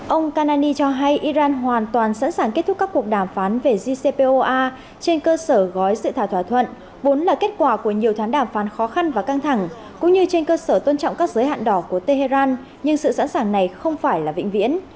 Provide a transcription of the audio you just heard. ông kanani cho hay iran hoàn toàn sẵn sàng kết thúc các cuộc đàm phán về qcpoa trên cơ sở gói dự thảo thỏa thuận vốn là kết quả của nhiều tháng đàm phán khó khăn và căng thẳng cũng như trên cơ sở tôn trọng các giới hạn đỏ của tehran nhưng sự sẵn sàng này không phải là vĩnh viễn